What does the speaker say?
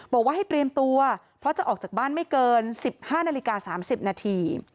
บอกว่าให้เตรียมตัวเพราะจะออกจากบ้านไม่เกิน๑๕นาฬิกา๓๐นาที